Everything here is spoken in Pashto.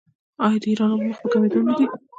آیا د ایران اوبه مخ په کمیدو نه دي؟